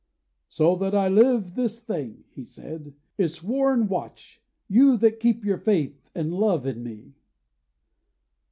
'So that I live, this thing,' he said, 'is sworn: Watch! you that keep your faith and love in me.